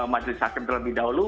majelis sakit terlebih dahulu